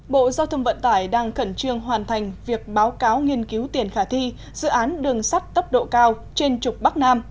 bộ giao thông vận tải đang khẩn trương hoàn thành việc báo cáo nghiên cứu tiền khả thi dự án đường sắt tốc độ cao trên trục bắc nam